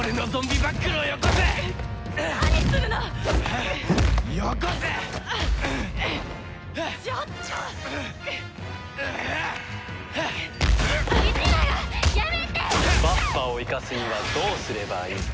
バッファを生かすにはどうすればいいか？